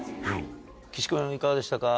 岸君いかがでしたか？